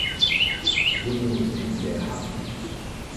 Doe woenen se him dêr ha.